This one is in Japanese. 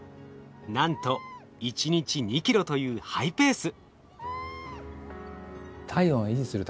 なんと１日２ｋｇというハイペース。